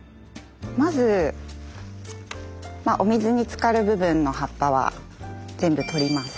まずお水につかる部分の葉っぱは全部取ります。